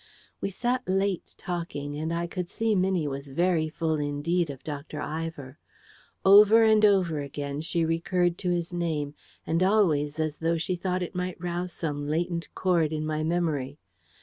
We sat late talking, and I could see Minnie was very full indeed of Dr. Ivor. Over and over again she recurred to his name, and always as though she thought it might rouse some latent chord in my memory.